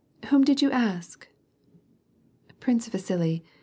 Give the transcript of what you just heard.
Whom did you ask ?"" Prince Vasili.